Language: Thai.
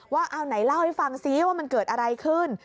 ว่าเอาไหนเล่าให้ฟังซิว่ามันเกิดอะไรขึ้น